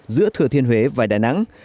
giữa thừa thiên huế và đà nẵng